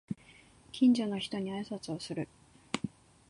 近所の人に挨拶をする